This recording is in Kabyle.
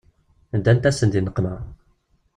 Ddant-asen di nneqma.